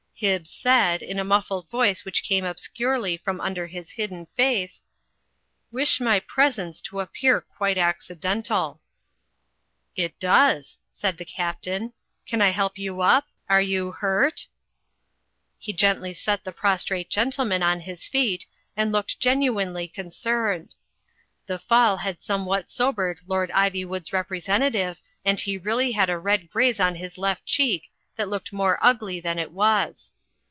Hibbs said, in a muffled voice which came obscurely from under his hidden face, "Wish my presence to appear quite accidental." "It does," said the Captain, "can I help you up? Are you hurt?" He gently set the prostrate gentleman on his feet, and looked genuinely concerned. The fall had some what sobered Lord Ivywood's representative; and he really had a red graze on the left cheek that looked more ugly than it was.